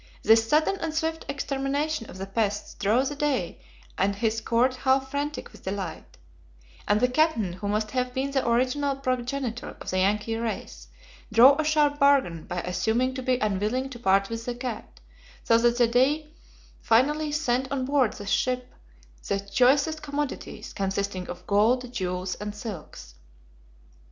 This sudden and swift extermination of the pests drove the Dey and his court half frantic with delight; and the captain, who must have been the original progenitor of the Yankee race, drove a sharp bargain by assuming to be unwilling to part with the cat, so that the Dey finally "sent on board his ship the choicest commodities, consisting of gold, jewels, and silks."